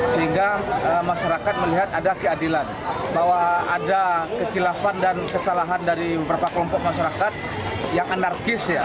sehingga masyarakat melihat ada keadilan bahwa ada kekilafan dan kesalahan dari beberapa kelompok masyarakat yang anarkis ya